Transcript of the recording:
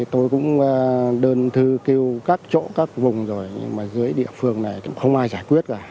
tôi cũng đơn thư kêu các chỗ các vùng rồi nhưng mà dưới địa phương này cũng không ai giải quyết cả